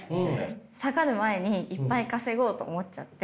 下がる前にいっぱい稼ごうと思っちゃって。